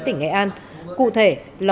tỉnh nghệ an cụ thể là